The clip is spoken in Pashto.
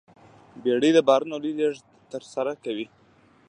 بیړۍ د بارونو لوی لېږد ترسره کوي.